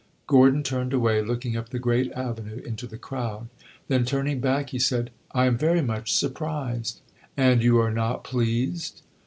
Gordon turned away, looking up the great avenue into the crowd. Then turning back, he said "I am very much surprised." "And you are not pleased!"